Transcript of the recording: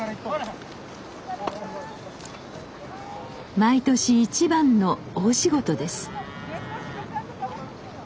毎年一番の大仕事です。